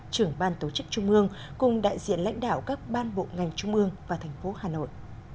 trưởng ban tổ chức trung ương cùng đại diện lãnh đạo các ban bộ ngành trung ương và thành phố hà nội